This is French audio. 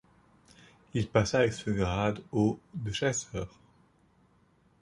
Il passa, avec ce grade, au de chasseurs.